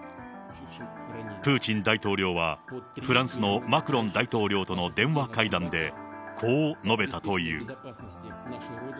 プーチン大統領は、フランスのマクロン大統領との電話会談で、こう述べたという。